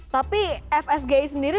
tapi fsgi sendiri